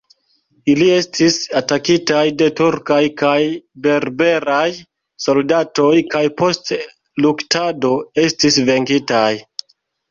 Ili estis atakitaj de turkaj kaj berberaj soldatoj, kaj post luktado, estis venkitaj.